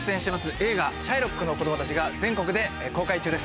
映画『シャイロックの子供たち』が全国で公開中です。